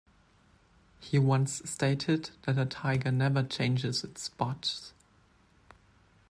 He once stated that a tiger never changes its spots.